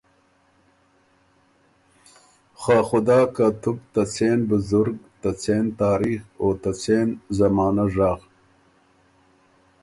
خه خُدۀ که تُو بو ته څېن بزرګ، ته څېن تاریخ، او ته څېن زمانۀ ژغ۔